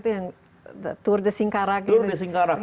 tour de singkarak